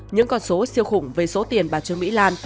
những con số siêu khủng về số tiền bà trương mỹ lan